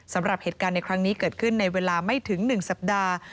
สำหรับเหตุการณ์ในครั้งนี้เกิดขึ้นในเวลาไม่ถึง๑สัปดาห์